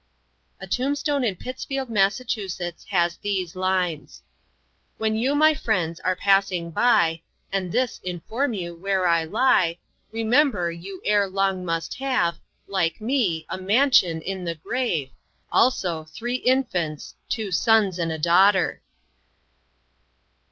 A tombstone in Pittsfield, Massachusetts, has these lines: "When you my friends are passing by, And this inform you where I lie, Remember you ere long must have, Like me, a mansion in the grave, Also 3 infants, 2 sons and a daughter."